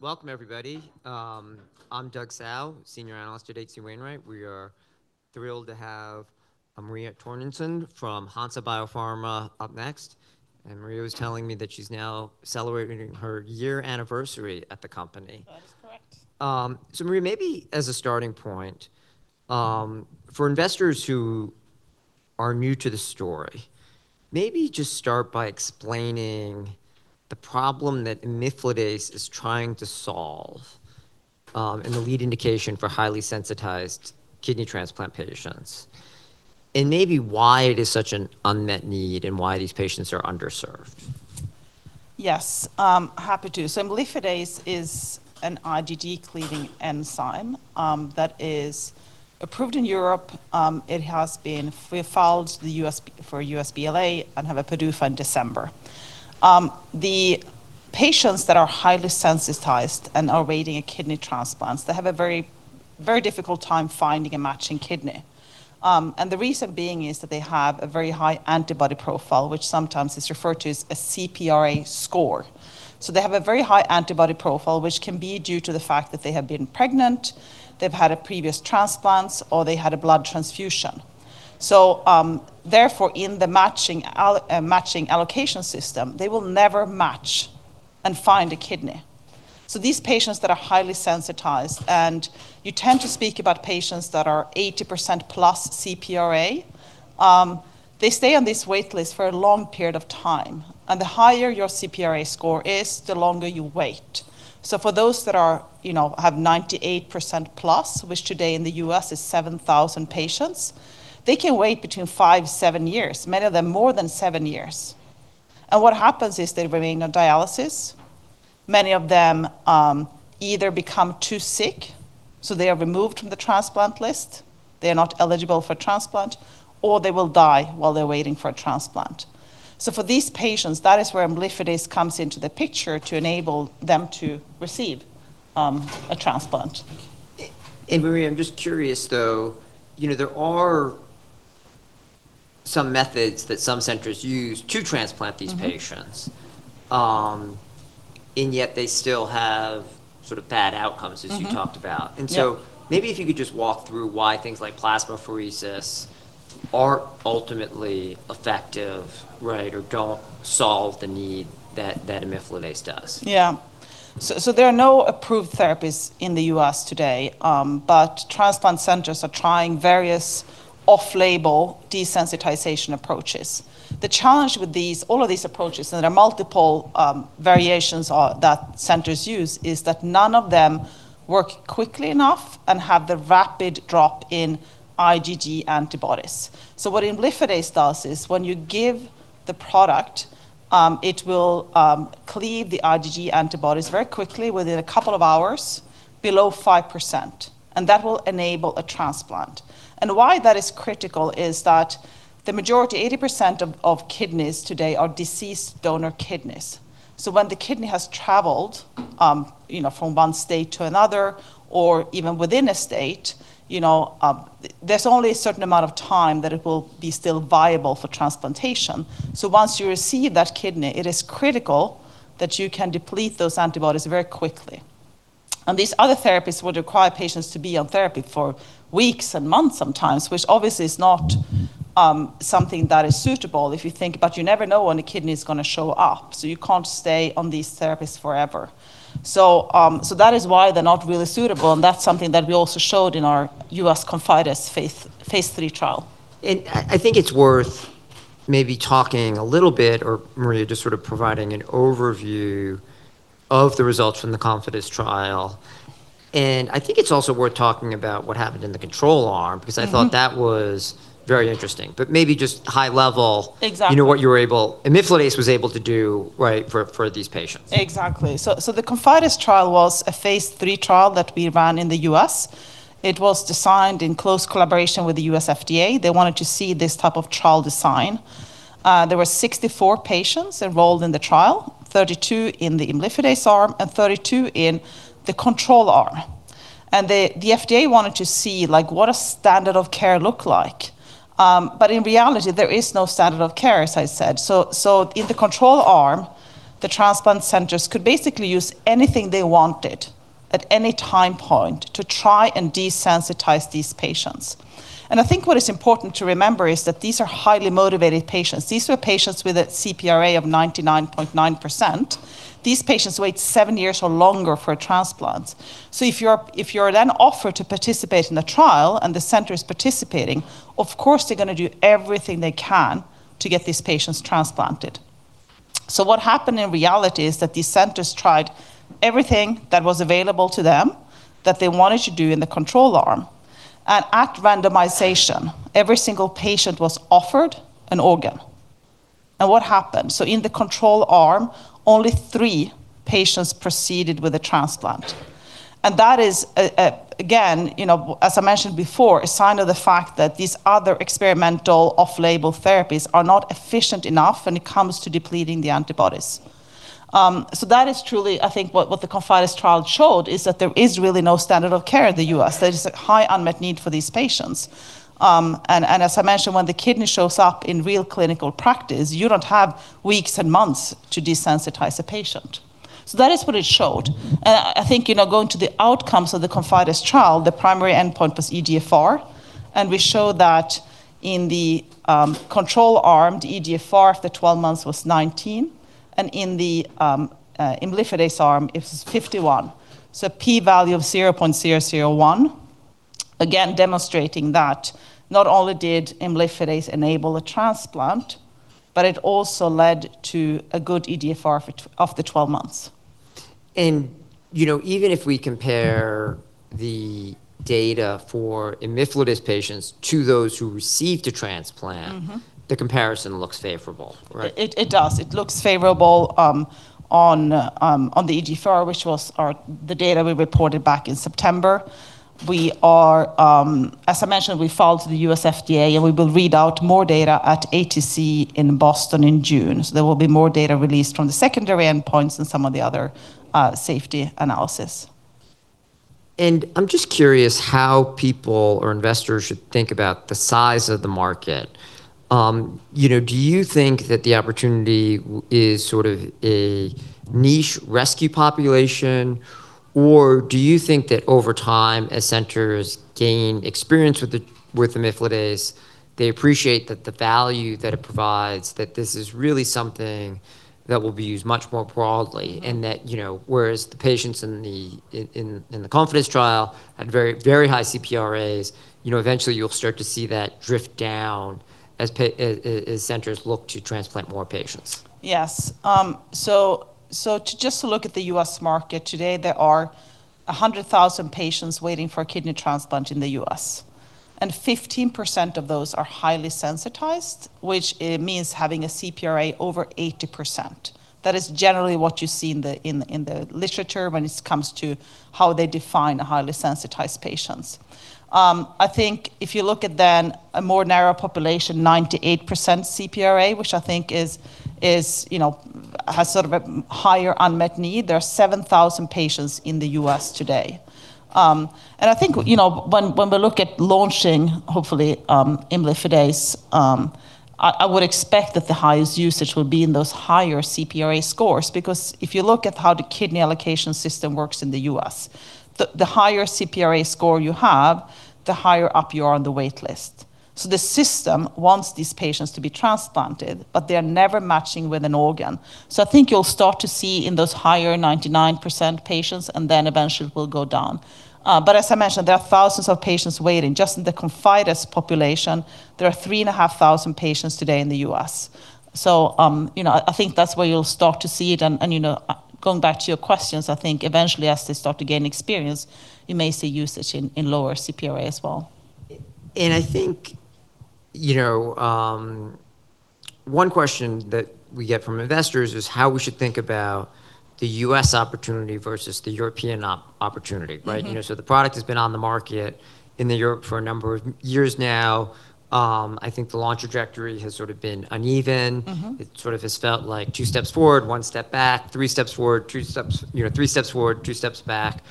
Welcome everybody. I'm Douglas Tsao, Senior Analyst at H.C. Wainwright & Co. We are thrilled to have Maria Törnsén from Hansa Biopharma up next, and Maria was telling me that she's now celebrating her one-year anniversary at the company. That is correct. Maria, maybe as a starting point, for investors who are new to the story, maybe just start by explaining the problem that imlifidase is trying to solve, and the lead indication for highly sensitized kidney transplant patients, and maybe why it is such an unmet need and why these patients are underserved. Yes, happy to. Imlifidase is an IgG cleaving enzyme that is approved in Europe. We have filed for a U.S. BLA and have a PDUFA in December. The patients that are highly sensitized and are awaiting a kidney transplant, they have a very difficult time finding a matching kidney. The reason being is that they have a very high antibody profile, which sometimes is referred to as a CPRA score. They have a very high antibody profile, which can be due to the fact that they have been pregnant, they've had a previous transplant, or they had a blood transfusion. Therefore, in the matching allocation system, they will never match and find a kidney. These patients that are highly sensitized, and you tend to speak about patients that are 80%+ CPRA, they stay on this wait list for a long period of time, and the higher your CPRA score is, the longer you wait. For those that are, you know, have 98%+, which today in the U.S. is 7,000 patients, they can wait between five to seven years, many of them more than seven years. What happens is they remain on dialysis. Many of them, either become too sick, so they are removed from the transplant list, they are not eligible for transplant, or they will die while they're waiting for a transplant. For these patients, that is where imlifidase comes into the picture to enable them to receive a transplant. Maria, I'm just curious though, you know, there are some methods that some centers use to transplant these patients. Yet they still have sort of bad outcomes. as you talked about. Yeah. Maybe if you could just walk through why things like plasmapheresis aren't ultimately effective, right, or don't solve the need that imlifidase does. Yeah. There are no approved therapies in the U.S. today, but transplant centers are trying various off-label desensitization approaches. The challenge with all of these approaches, and there are multiple variations that centers use, is that none of them work quickly enough and have the rapid drop in IgG antibodies. What imlifidase does is when you give the product, it will cleave the IgG antibodies very quickly within a couple of hours below 5%, and that will enable a transplant. Why that is critical is that the majority, 80% of kidneys today are deceased donor kidneys. When the kidney has traveled, you know, from one state to another or even within a state, you know, there's only a certain amount of time that it will be still viable for transplantation. Once you receive that kidney, it is critical that you can deplete those antibodies very quickly. These other therapies would require patients to be on therapy for weeks and months sometimes, which obviously is not something that is suitable if you think, but you never know when a kidney is gonna show up, so you can't stay on these therapies forever. That is why they're not really suitable, and that's something that we also showed in our U.S. ConfIdeS phase III trial. I think it's worth maybe talking a little bit or Maria just sort of providing an overview of the results from the ConfIdeS trial. I think it's also worth talking about what happened in the control arm- because I thought that was very interesting. Maybe just high level. Exactly you know, imlifidase was able to do, right, for these patients. Exactly. The ConfIdeS trial was a phase III trial that we ran in the U.S. It was designed in close collaboration with the U.S. FDA. They wanted to see this type of trial design. There were 64 patients enrolled in the trial, 32 in the imlifidase arm and 32 in the control arm. The FDA wanted to see like what a standard of care look like. In reality, there is no standard of care, as I said. In the control arm, the transplant centers could basically use anything they wanted at any time point to try and desensitize these patients. I think what is important to remember is that these are highly motivated patients. These were patients with a CPRA of 99.9%. These patients wait seven years or longer for a transplant. If you're then offered to participate in a trial and the center is participating, of course, they're gonna do everything they can to get these patients transplanted. What happened in reality is that these centers tried everything that was available to them that they wanted to do in the control arm. At randomization, every single patient was offered an organ. What happened? In the control arm, only three patients proceeded with a transplant. That is, again, you know, as I mentioned before, a sign of the fact that these other experimental off-label therapies are not efficient enough when it comes to depleting the antibodies. That is truly, I think what the ConfIdeS trial showed is that there is really no standard of care in the U.S. There is a high unmet need for these patients. As I mentioned, when the kidney shows up in real clinical practice, you don't have weeks and months to desensitize a patient. So that is what it showed. I think, you know, going to the outcomes of the ConfIdeS trial, the primary endpoint was eGFR, and we showed that in the control arm, the eGFR after 12 months was 19, and in the imlifidase arm, it was 51. A p-value of 0.001, again demonstrating that not only did imlifidase enable a transplant, but it also led to a good eGFR after 12 months. You know, even if we compare the data for imlifidase patients to those who received a transplant. the comparison looks favorable, right? It does. It looks favorable on the eGFR, which was the data we reported back in September. We are, as I mentioned, we filed to the U.S. FDA, and we will read out more data at ATC in Boston in June. There will be more data released from the secondary endpoints and some of the other safety analysis. I'm just curious how people or investors should think about the size of the market. You know, do you think that the opportunity is sort of a niche rescue population, or do you think that over time, as centers gain experience with imlifidase, they appreciate that the value that it provides, that this is really something that will be used much more broadly. That, you know, whereas the patients in the ConfIdeS trial had very, very high CPRAs, you know, eventually you'll start to see that drift down as centers look to transplant more patients. Yes. To just to look at the U.S. market today, there are 100,000 patients waiting for a kidney transplant in the U.S., 15% of those are highly sensitized, which means having a CPRA over 80%. That is generally what you see in the literature when it comes to how they define a highly sensitized patients. I think if you look at then a more narrow population, 98% CPRA, which I think is, you know, has sort of a higher unmet need, there are 7,000 patients in the U.S. today. I think, you know, when we look at launching, hopefully, imlifidase, I would expect that the highest usage will be in those higher CPRA scores because if you look at how the kidney allocation system works in the U.S., the higher CPRA score you have, the higher up you are on the wait list. The system wants these patients to be transplanted, but they're never matching with an organ. I think you'll start to see in those higher 99% patients, and then eventually it will go down. As I mentioned, there are thousands of patients waiting. Just in the ConfIdeS population, there are 3,500 patients today in the U.S. You know, I think that's where you'll start to see it. You know, going back to your questions, I think eventually as they start to gain experience, you may see usage in lower CPRA as well. I think, you know, one question that we get from investors is how we should think about the U.S. opportunity versus the European opportunity, right? You know, the product has been on the market in Europe for a number of years now. I think the launch trajectory has sort of been uneven. It sort of has felt like two steps forward, one step back, three steps forward, two steps, you know, three steps forward, twp steps back.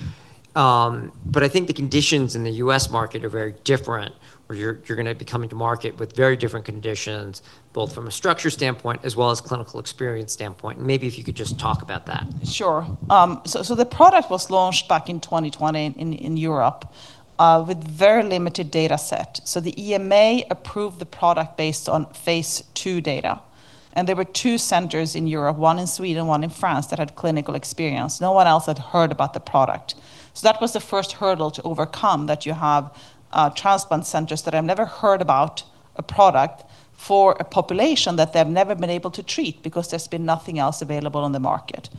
I think the conditions in the U.S. market are very different, where you're gonna be coming to market with very different conditions, both from a structure standpoint as well as clinical experience standpoint. Maybe if you could just talk about that? Sure. The product was launched back in 2020 in Europe with very limited data set. The EMA approved the product based on phase II data. There were two centers in Europe, one in Sweden, one in France, that had clinical experience. No one else had heard about the product. That was the first hurdle to overcome, that you have transplant centers that have never heard about a product for a population that they've never been able to treat because there's been nothing else available on the market.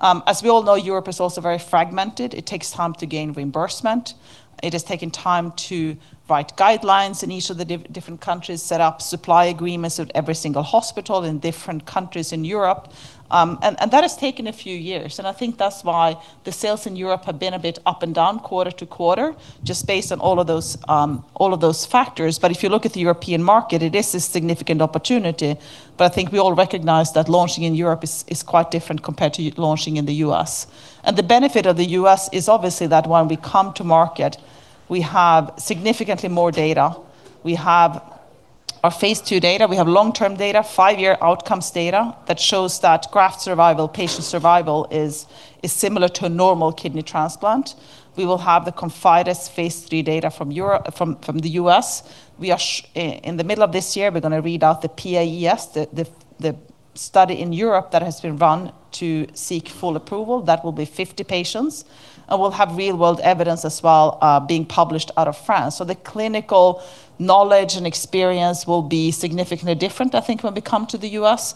As we all know, Europe is also very fragmented. It takes time to gain reimbursement. It has taken time to write guidelines in each of the different countries, set up supply agreements with every single hospital in different countries in Europe. That has taken a few years, and I think that's why the sales in Europe have been a bit up and down quarter to quarter, just based on all of those factors. If you look at the European market, it is a significant opportunity. I think we all recognize that launching in Europe is quite different compared to launching in the U.S. The benefit of the U.S. is obviously that when we come to market, we have significantly more data. We have our phase II data. We have long-term data, five-year outcomes data that shows that graft survival, patient survival is similar to a normal kidney transplant. We will have the ConfIdeS phase III data from the U.S. We are in the middle of this year, we are going to read out the PAES, the study in Europe that has been run to seek full approval. That will be 50 patients. We will have real-world evidence as well, being published out of France. The clinical knowledge and experience will be significantly different, I think, when we come to the U.S.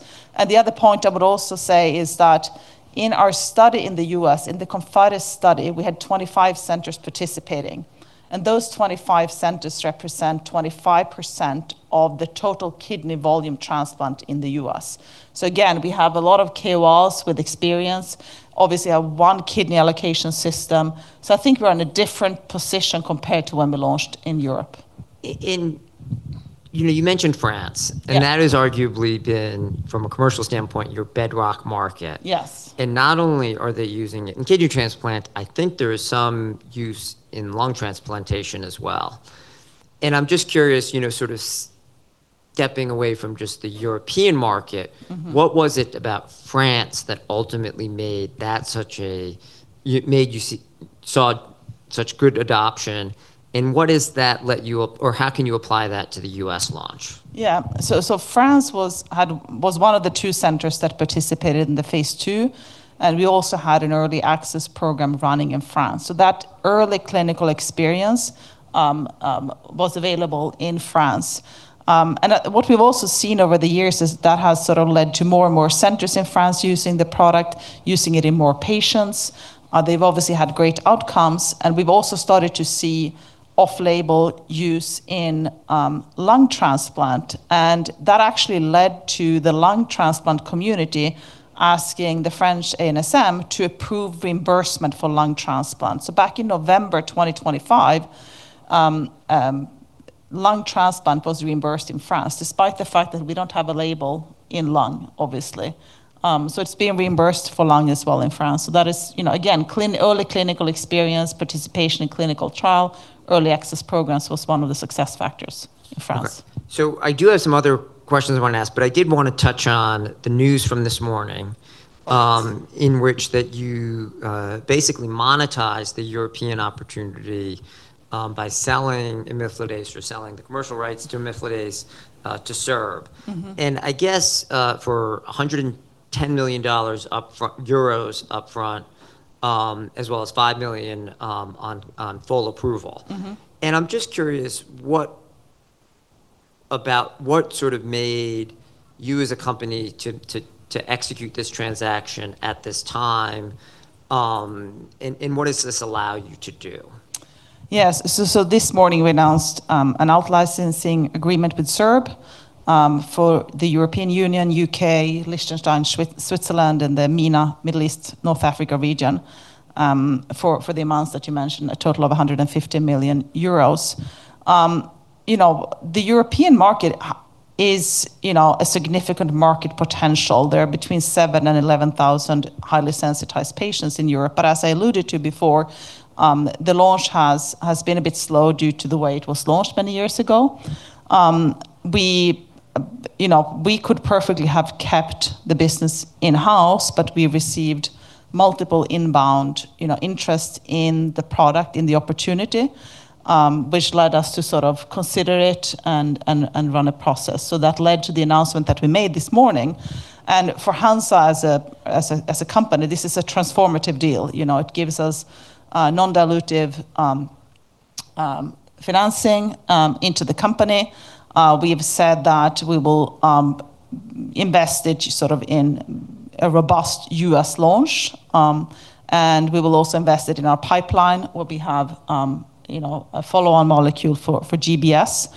The other point I would also say is that in our study in the U.S., in the ConfIdeS study, we had 25 centers participating, and those 25 centers represent 25% of the total kidney volume transplant in the U.S. Again, we have a lot of KOLs with experience, obviously our 1 kidney allocation system. I think we are in a different position compared to when we launched in Europe. in, you know, you mentioned France. Yeah That has arguably been, from a commercial standpoint, your bedrock market. Yes. Not only are they using it in kidney transplant, I think there is some use in lung transplantation as well. I'm just curious, you know, sort of Stepping away from just the European market. what was it about France that ultimately saw such good adoption? What is that let you, or how can you apply that to the U.S. launch? France was one of the two centers that participated in the phase II, and we also had an early access program running in France. That early clinical experience was available in France. What we've also seen over the years is that has sort of led to more and more centers in France using the product, using it in more patients. They've obviously had great outcomes, and we've also started to see off-label use in lung transplant. That actually led to the lung transplant community asking the French ANSM to approve reimbursement for lung transplant. Back in November 2025, lung transplant was reimbursed in France, despite the fact that we don't have a label in lung, obviously. It's being reimbursed for lung as well in France. That is, you know, again, early clinical experience, participation in clinical trial, early access programs was one of the success factors in France. Okay. I do have some other questions I wanna ask, but I did wanna touch on the news from this morning. Yes in which that you basically monetized the European opportunity by selling imlifidase or selling the commercial rights to imlifidase to SERB. I guess, for EUR 110 million upfront, as well as 5 million, on full approval. I'm just curious, about what sort of made you as a company to execute this transaction at this time, and what does this allow you to do? Yes. This morning we announced an out-licensing agreement with SERB for the European Union, U.K., Liechtenstein, Switzerland, and the MENA, Middle East North Africa region, for the amounts that you mentioned, a total of 150 million euros. You know, the European market is, you know, a significant market potential. There are between 7 thousand and 11 thousand highly sensitized patients in Europe. As I alluded to before, the launch has been a bit slow due to the way it was launched many years ago. We, you know, we could perfectly have kept the business in-house, but we received multiple inbound, you know, interest in the product, in the opportunity, which led us to sort of consider it and run a process. That led to the announcement that we made this morning. For Hansa as a company, this is a transformative deal. You know, it gives us non-dilutive financing into the company. We have said that we will invest it sort of in a robust U.S. launch, and we will also invest it in our pipeline, where we have, you know, a follow-on molecule for GBS.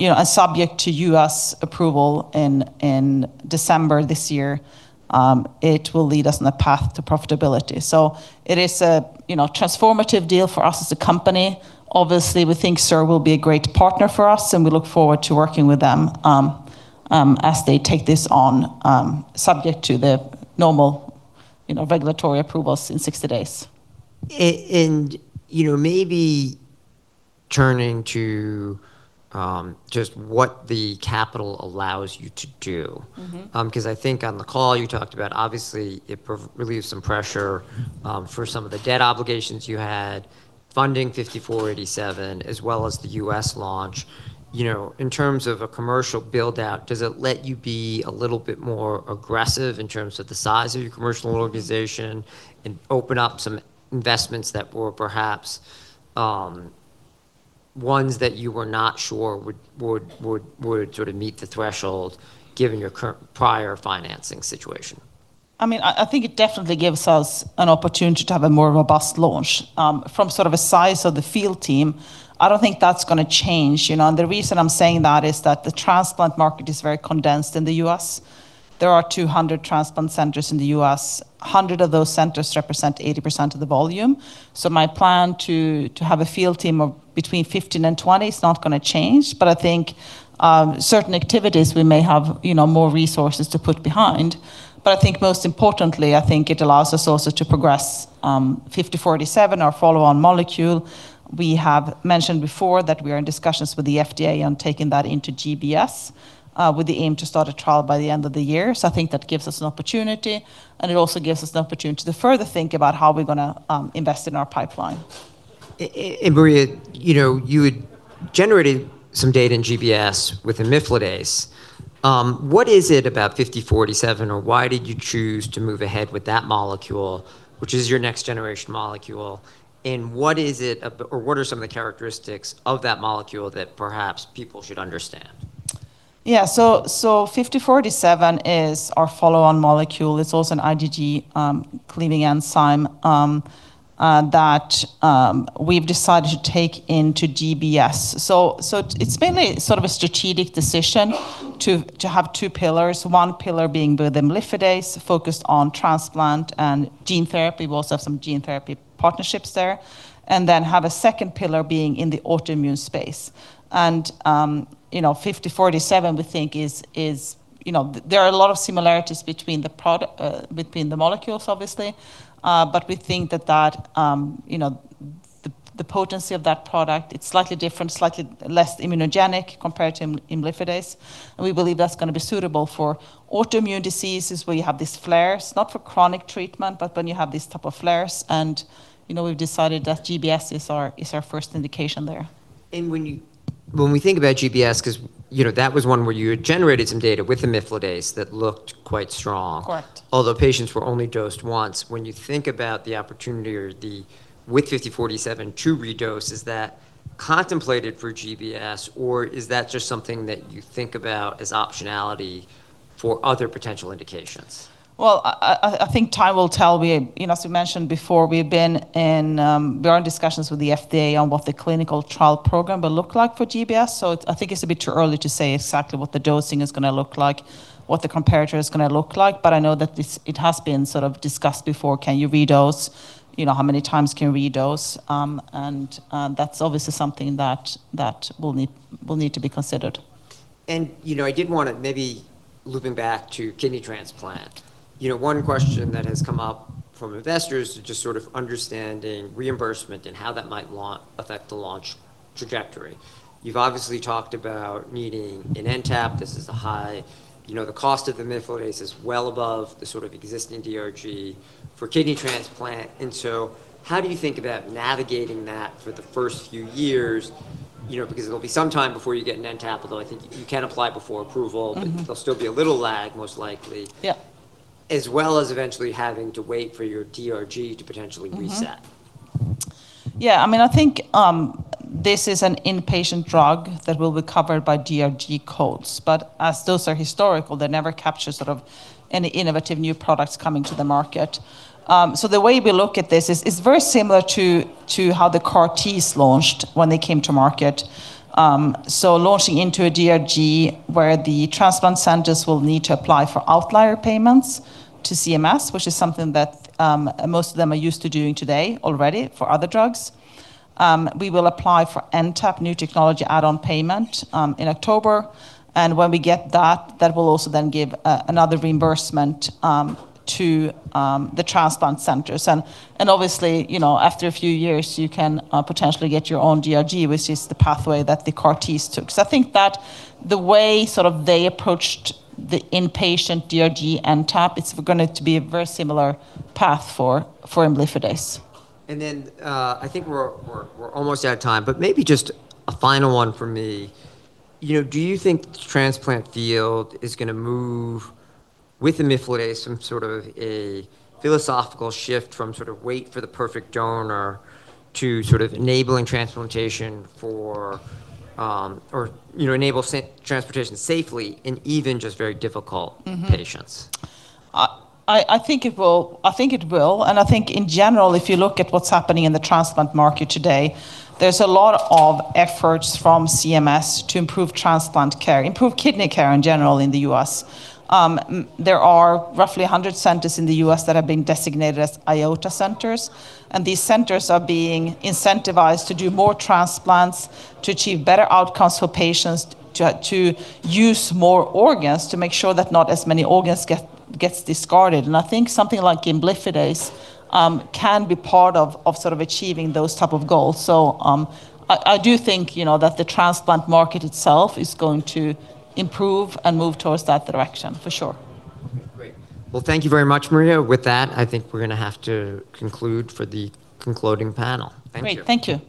You know, subject to U.S. approval in December this year, it will lead us in a path to profitability. It is, you know, a transformative deal for us as a company. Obviously, we think SERB will be a great partner for us. We look forward to working with them, as they take this on, subject to the normal, you know, regulatory approvals in 60 days. You know, maybe turning to just what the capital allows you to do. I think on the call you talked about obviously it relieves some pressure. for some of the debt obligations you had, funding HNSA-5487, as well as the U.S. launch. You know, in terms of a commercial build-out, does it let you be a little bit more aggressive in terms of the size of your commercial organization and open up some investments that were perhaps ones that you were not sure would sort of meet the threshold given your current, prior financing situation? I think it definitely gives us an opportunity to have a more robust launch. From sort of a size of the field team, I don't think that's gonna change, you know. The reason I'm saying that is that the transplant market is very condensed in the U.S. There are 200 transplant centers in the U.S. 100 of those centers represent 80% of the volume. My plan to have a field team of between 15 and 20 is not gonna change. I think certain activities we may have, you know, more resources to put behind. I think most importantly, I think it allows us also to progress HNSA-5487, our follow-on molecule. We have mentioned before that we are in discussions with the FDA on taking that into GBS, with the aim to start a trial by the end of the year. I think that gives us an opportunity, and it also gives us the opportunity to further think about how we're going to invest in our pipeline. Maria, you know, you had generated some data in GBS with imlifidase. What is it about HNSA-5487, or why did you choose to move ahead with that molecule, which is your next generation molecule? What is it or what are some of the characteristics of that molecule that perhaps people should understand? Yeah. HNSA-5487 is our follow-on molecule. It's also an IgG cleaving enzyme that we've decided to take into GBS. It's mainly sort of a strategic decision to have two pillars. One pillar being with imlifidase, focused on transplant and gene therapy. We also have some gene therapy partnerships there. Then have a second pillar being in the autoimmune space. You know, HNSA-5487 we think is, you know, there are a lot of similarities between the molecules obviously. We think that, you know, the potency of that product, it's slightly different, slightly less immunogenic compared to imlifidase. We believe that's gonna be suitable for autoimmune diseases where you have these flares, not for chronic treatment, but when you have these type of flares. You know, we've decided that GBS is our, is our first indication there. When we think about GBS, 'cause, you know, that was one where you had generated some data with the imlifidase that looked quite strong. Correct although patients were only dosed once. When you think about the opportunity or the with HNSA-5487 to redose, is that contemplated for GBS, or is that just something that you think about as optionality for other potential indications? Well, I think time will tell. We, you know, as we mentioned before, we're in discussions with the FDA on what the clinical trial program will look like for GBS. I think it's a bit too early to say exactly what the dosing is gonna look like, what the comparator is gonna look like. I know that it has been sort of discussed before. Can you redose? You know, how many times can we redose? That's obviously something that will need to be considered. You know, I did want to maybe looping back to kidney transplant. You know, one question that has come up from investors to just sort of understanding reimbursement and how that might affect the launch trajectory. You've obviously talked about needing an NTAP. You know, the cost of the imlifidase is well above the sort of existing DRG for kidney transplant. How do you think about navigating that for the first few years? You know, because it'll be some time before you get an NTAP, although I think you can apply before approval. There'll still be a little lag, most likely. Yeah as well as eventually having to wait for your DRG to potentially reset. I mean, I think, this is an inpatient drug that will be covered by DRG codes. As those are historical, they never capture sort of any innovative new products coming to the market. The way we look at this is it's very similar to how the CAR-Ts launched when they came to market. Launching into a DRG where the transplant centers will need to apply for outlier payments to CMS, which is something that, most of them are used to doing today already for other drugs. We will apply for NTAP, new technology add-on payment, in October. When we get that will also then give another reimbursement to the transplant centers. Obviously, you know, after a few years, you can potentially get your own DRG, which is the pathway that the CAR-Ts took. I think that the way sort of they approached the inpatient DRG NTAP, it's gonna be a very similar path for imlifidase. I think we're almost out of time, but maybe just a final one for me. You know, do you think the transplant field is going to move with the imlifidase some sort of a philosophical shift from sort of wait for the perfect donor to sort of enabling transplantation for, or, you know, enable transportation safely? patients? I think it will. I think it will. I think in general, if you look at what's happening in the transplant market today, there's a lot of efforts from CMS to improve transplant care, improve kidney care in general in the U.S. There are roughly 100 centers in the U.S. that have been designated as IOTA centers, and these centers are being incentivized to do more transplants to achieve better outcomes for patients to use more organs to make sure that not as many organs gets discarded. I think something like imlifidase can be part of sort of achieving those type of goals. I do think, you know, that the transplant market itself is going to improve and move towards that direction for sure. Great. Well, thank you very much, Maria. With that, I think we're gonna have to conclude for the concluding panel. Thank you. Great. Thank you.